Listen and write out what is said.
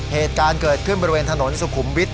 เหตุการณ์เกิดขึ้นบริเวณถนนสุขุมวิทย